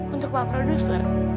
untuk pak producer